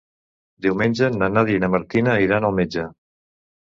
Diumenge na Nàdia i na Martina iran al metge.